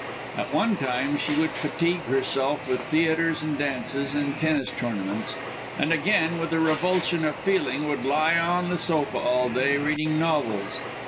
At one time she would fatigue herself with theatres and dances and tennis tournaments, and again, with a revulsion of feeling, would lie on the sofa all day, reading novels.